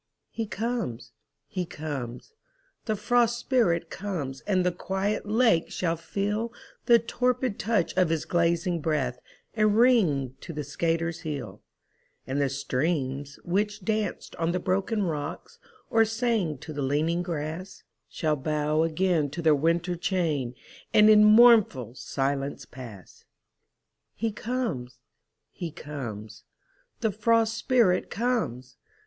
He comes, he comes, the Frost Spirit comes and the quiet lake shall feel The torpid touch of his glazing breath, and ring to the skater's heel; And the streams which danced on the broken rocks, or sang to the leaning grass, Shall bow again to their winter chain, and in mournful silence pass. He comes, he comes, the Frost Spirit comes!